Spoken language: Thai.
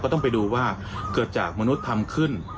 ต้องไปดูว่าเกิดจากมนุษย์ทำขึ้น